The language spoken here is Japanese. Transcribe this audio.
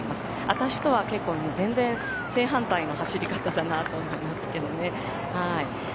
私とは全然正反対の走り方だなと思いますけどね。